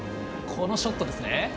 このショットですね。